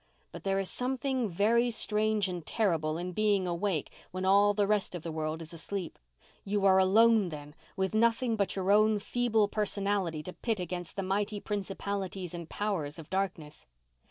But there is something very strange and terrible in being awake when all the rest of the world is asleep. You are alone then with nothing but your own feeble personality to pit against the mighty principalities and powers of darkness.